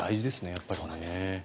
やっぱりね。